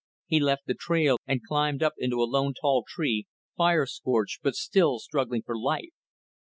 He left the trail and climbed up into a lone tall tree, fire scorched but still struggling for life.